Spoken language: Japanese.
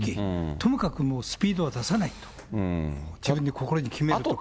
ともかくもうスピードを出さないと、自分の心に決めるとか。